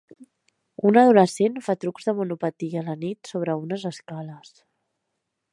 Un adolescent fa trucs de monopatí a la nit sobre unes escales